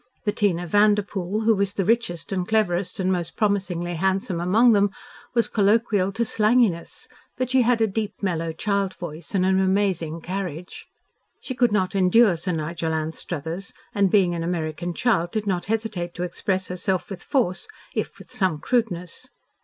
Bettina Vanderpoel, who was the richest and cleverest and most promisingly handsome among them, was colloquial to slanginess, but she had a deep, mellow, child voice and an amazing carriage. She could not endure Sir Nigel Anstruthers, and, being an American child, did not hesitate to express herself with force, if with some crudeness.